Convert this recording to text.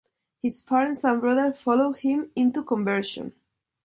His parents and brother followed him into conversion.